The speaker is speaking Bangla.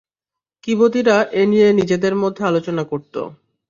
কিবতীরা এ নিয়ে নিজেদের মধ্যে আলোচনা করত।